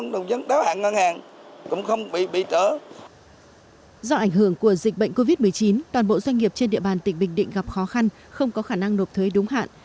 do ảnh hưởng của dịch bệnh covid một mươi chín toàn bộ doanh nghiệp trên địa bàn tỉnh bình định gặp khó khăn không có khả năng nộp thuế đúng hạn